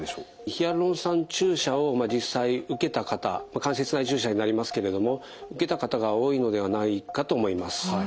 ヒアルロン酸注射を実際受けた方関節内注射になりますけれども受けた方が多いのではないかと思います。